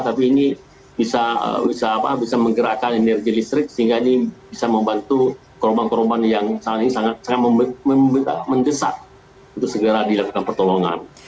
tapi ini bisa menggerakkan energi listrik sehingga ini bisa membantu korban korban yang saat ini sangat sangat mendesak untuk segera dilakukan pertolongan